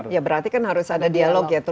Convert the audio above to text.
ya berarti kan harus ada dialog ya tuh